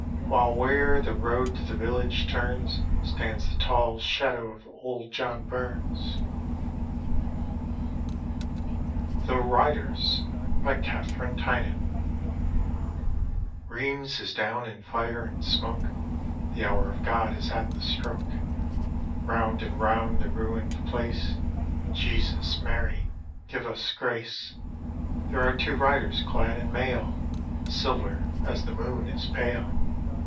While where the road to die village turns Stands the tall shadow of old John Bumsl D,gt,, erihyGOOgle The Haunted Hoar THE RIDERS : katherinb tvnan Rhetms is down in (ire and smoke. The hour of God is at the stroke, Round and round the ruined place,— Jesus, Mary, give us grace 1 There are two riders clad in mail Silver as the moon is pale.